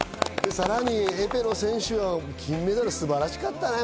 さらにエペの選手、金メダル素晴らしかったね。